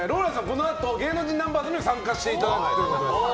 このあと芸能人ナンバーズにも参加していただくということになります。